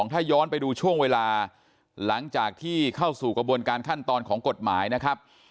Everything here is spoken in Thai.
ถ้าย้อนไปดูช่วงเวลาหลังจากที่เข้าสู่กระบวนการขั้นตอนของกฎหมายนะครับ